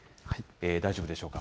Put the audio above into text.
大丈夫でしょうか。